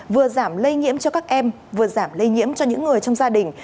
vừa giảm lây nhiễm cho các em vừa giảm lây nhiễm cho những người trong gia đình